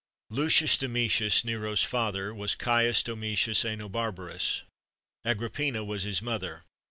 Lucius Domitius Nero's father was Caius Domitius Ænobarbus; Agrippina was his mother.